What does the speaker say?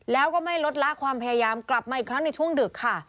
แล้วก็ไม่ลดละความพยายามกลับมาอีกครั้งในช่วงดึกค่ะ